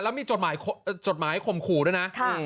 แล้วมีจดหมายข่มขู่ด้วยนะ